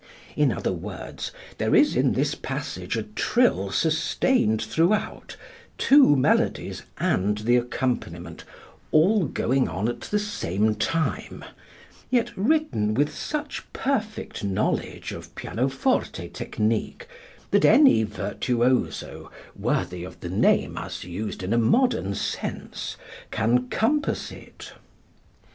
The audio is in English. In other words, there is in this passage a trill sustained throughout, two melodies and the accompaniment, all going on at the same time, yet written with such perfect knowledge of pianoforte technique that any virtuoso worthy of the name as used in a modern sense, can compass it.